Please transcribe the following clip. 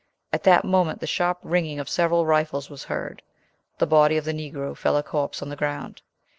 At that moment the sharp ringing of several rifles was heard: the body of the Negro fell a corpse on the ground.